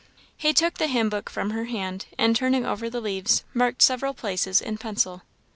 He took the hymn book from her hand, and turning over the leaves, marked several places in pencil.